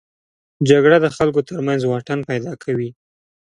جګړه د خلکو تر منځ واټن پیدا کوي